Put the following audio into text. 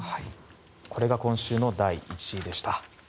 これが今週の第１位でした。